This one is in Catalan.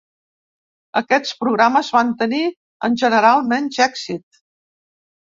Aquests programes van tenir, en general, menys èxit.